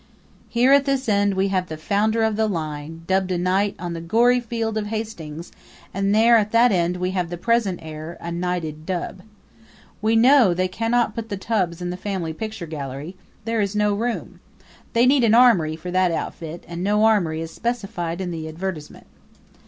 Here at this end we have the founder of the line, dubbed a knight on the gory field of Hastings; and there at that end we have the present heir, a knighted dub. We know they cannot put the tubs in the family picture gallery; there is no room. They need an armory for that outfit, and no armory is specified in the advertisement.